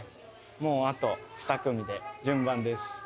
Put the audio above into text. もうあと２組で順番です。